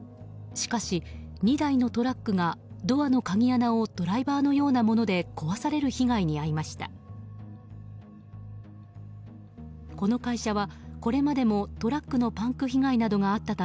しかし、２台のトラックがドアの鍵穴をドライバーのようなもので壊される被害に遭いました。